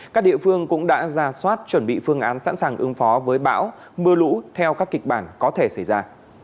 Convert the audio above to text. các địa phương cũng đã ra soát chuẩn bị phương án sẵn sàng ứng phó với bão mưa lũ theo các kịch bản có thể xảy ra